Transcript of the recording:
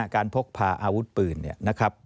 ครับพกผ่าอาวุธปืนนะครับ